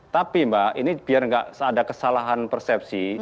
tapi mbak ini biar nggak ada kesalahan persepsi